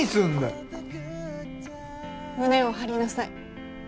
胸を張りなさい。